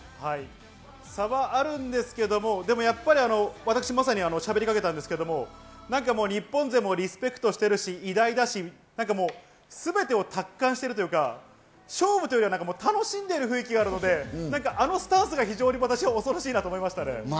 差はあるんでしょうけど、私まさにしゃべりかけたんですけど、日本勢もリスペクトしてるし、偉大だし、すべてを達観しているというか、勝負というよりは楽しんでいる雰囲気があるので、あのスタンスが非常に私は恐ろしいなと思いました。